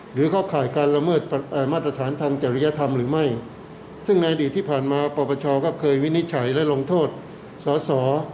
เข้าข่ายการละเมิดมาตรฐานทางจริยธรรมหรือไม่ซึ่งในอดีตที่ผ่านมาปปชก็เคยวินิจฉัยและลงโทษสอสอ